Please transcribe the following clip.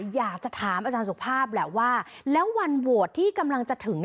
อยากจะถามอาจารย์สุภาพแหละว่าแล้ววันโหวตที่กำลังจะถึง